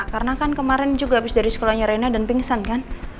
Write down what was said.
karena kan kemarin juga habis dari sekolahnya reina dan pingsan kan